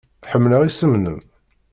Ḥemmleɣ isem-nnem.